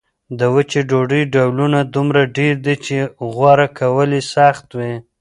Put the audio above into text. د وچې ډوډۍ ډولونه دومره ډېر دي چې غوره کول یې سخت وي.